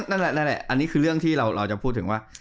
อันนี้คือเรื่องที่เราจะพูดถึงว่า